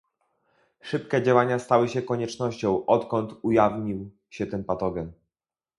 Szybkie działania stały się koniecznością odkąd ujawnił się ten patogen